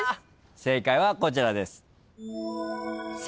正解はこちらです。